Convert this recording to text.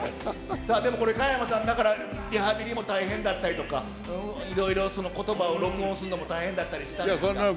でもこれ、加山さん、リハビリも大変だったりとか、いろいろことばを録音するのも大変だったりしたんですか？